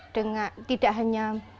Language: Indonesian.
dengan tidak hanya